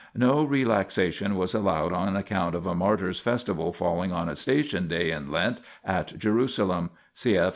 No relaxation was allowed on account of a martyr's festival falling on a " Station " day in Lent at Jeru salem : cf.